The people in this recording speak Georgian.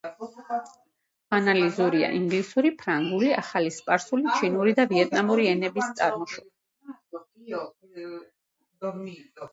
ანალიზურია ინგლისური, ფრანგული, ახალი სპარსული, ჩინური და ვიეტნამური ენები წარმოადგენს.